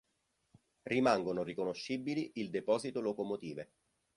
Rimangono riconoscibili il deposito locomotive.